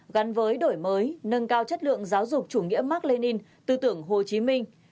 gắn với đổi mới nâng cao chất lượng giáo dục chủ nghĩa mark lenin tư tưởng hồ chí minh